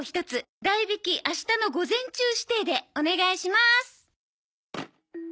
代引き明日の午前中指定でお願いしまーす。